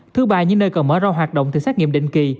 thứ ba như nơi còn mở ra hoạt động thì xét nghiệm định kỳ